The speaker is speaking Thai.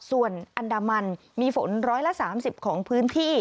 ส่วนอันดามันมีฝน๑๓๐ของพื้นที่